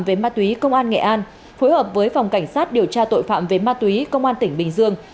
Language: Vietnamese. về ma túy công an nghệ an phối hợp với phòng cảnh sát điều tra tội phạm về ma túy công an tỉnh bình dương